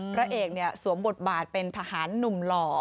พระเอกเนี่ยสวมบทบาทเป็นทหารหนุ่มหล่อ